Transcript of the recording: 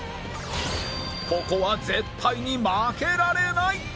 ここは絶対に負けられない